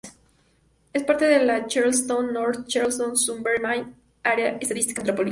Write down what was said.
Es parte de la Charleston-Norte Charleston-Summerville Área Estadística Metropolitana..